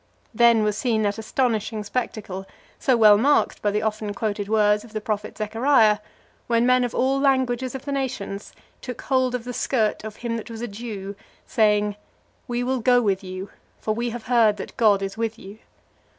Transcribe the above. Then was seen that astonishing spectacle, so well marked by the often quoted words of the prophet Zechariah, when men of all languages of the nations took hold of the skirt of him that was a Jew, saying: "We will go with you, for we have heard that God is with you."